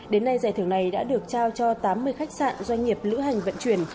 đến nay giải thưởng này đã được trao cho tám mươi khách sạn doanh nghiệp lữ hành vận chuyển